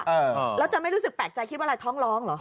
เออแล้วจะไม่รู้สึกแปลกใจคิดว่าอะไรท้องร้องเหรอ